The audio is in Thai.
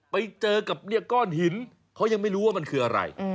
ไปเจอกับก้อนหินเขายังไม่รู้ว่ามันคืออะไร